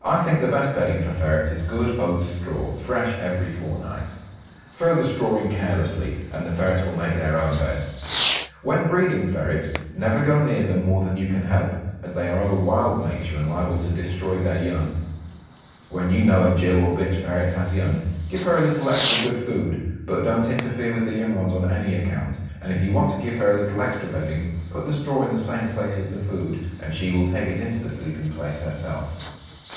I think the best bedding for ferrets is good oat straw, fresh every fortnight. Throw the straw in carelessly, and the ferrets will make their own beds. When breeding ferrets, never go near them more than you can help, as they are of a wild nature and liable to destroy their young. When you know a Jill or bitch ferret has young, give her a little extra good food, but don't interfere with the young ones on any account, and if you want to give her a little extra bedding put the straw in the same place as the food, and she will take it into the sleeping place herself.